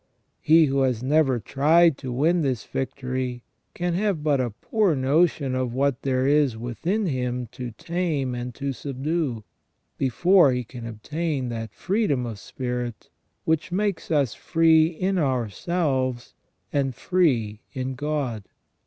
He who has never tried to win this victory can have but a poor notion of what there is within him to tame and to subdue, before he can obtain that freedom of spirit which makes us free in ourselves and free in God.